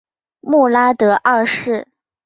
穆拉德二世。